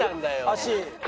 足。